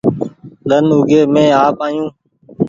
ۮن اوڳي مينٚ آپ آيو